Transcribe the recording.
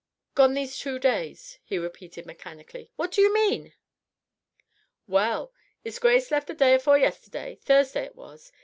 "Gone these two days," he repeated mechanically; "what do you mean?" "Well! 'Is Grace left the day afore yesterday Thursday it was....